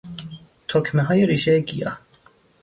تکمههای ریشهی گیاه